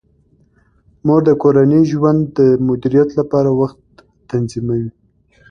مور د کورني ژوند د مدیریت لپاره وخت تنظیموي.